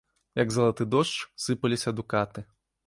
Як залаты дождж, сыпаліся дукаты.